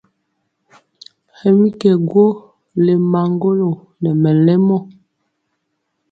Hɛ mi kɛ gwo le maŋgolo nɛ mɛlɛmɔ.